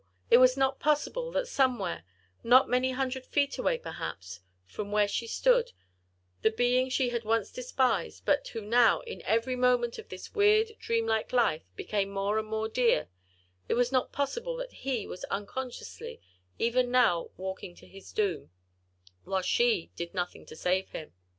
it was not possible that somewhere, not many hundred feet away perhaps, from where she stood, the being she had once despised, but who now, in every moment of this weird, dreamlike life, became more and more dear—it was not possible that he was unconsciously, even now walking to his doom, whilst she did nothing to save him.